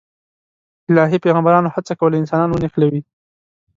الهي پیغمبرانو هڅه کوله انسانان ونښلوي.